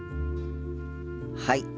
はい。